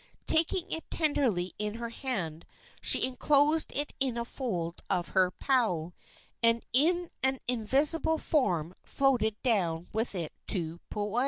Taking it tenderly in her hand, she enclosed it in a fold of her pau, and in an invisible form floated down with it to Puoa.